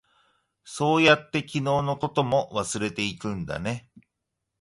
そうやって、昨日のことも忘れていくんだね。